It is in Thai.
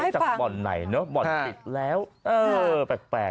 จากบ่อนไหนเนอะบ่อนปิดแล้วเออแปลก